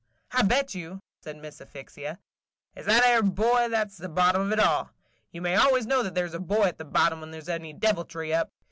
"I bet you," said Miss Asphyxia, "it 's that 'ere boy that 's the bottom of it all. You may always know that there 's a boy at the bottom, when there 's any deviltry up.